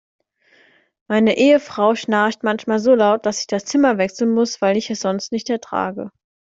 Meine Ehefrau schnarcht manchmal so laut, dass ich das Zimmer wechseln muss, weil ich es sonst nicht ertrage.